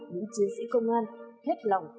những chiến sĩ công an hết lòng